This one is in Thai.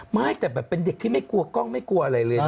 ไม่แต่แบบเป็นเด็กที่ไม่กลัวกล้องไม่กลัวอะไรเลยนะ